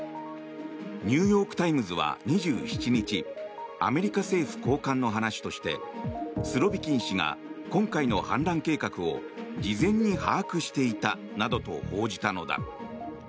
ニューヨーク・タイムズは２７日アメリカ政府高官の話としてスロビキン氏が今回の反乱計画を事前に把握していたなどと報じたのだ。